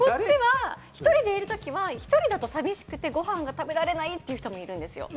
ひとりでいるときはひとりだと寂しくてご飯が食べられないっていう人もいるんですよ。